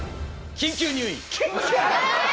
緊急入院！？